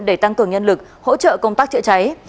để tăng cường nhân lực hỗ trợ công tác chữa cháy